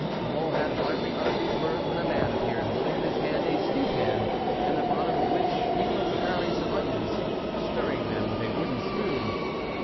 La Mole had hardly uttered these words when a man appeared holding in his hand a stew pan, in the bottom of which he was browning some onions, stirring them with a wooden spoon.